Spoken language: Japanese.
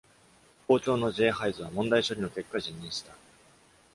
校長の J. ハイズは問題処理の結果、辞任した。